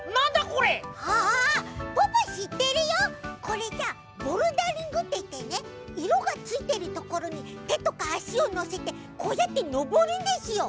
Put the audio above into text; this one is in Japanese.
これさボルダリングっていってねいろがついてるところにてとかあしをのせてこうやってのぼるんですよ。